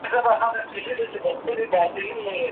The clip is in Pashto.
یو د توري شرنګ خو نه وو دلته نور ږغونه هم سته